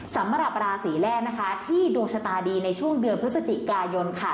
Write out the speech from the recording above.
สำหรับราศีแรกนะคะที่ดวงชะตาดีในช่วงเดือนพฤศจิกายนค่ะ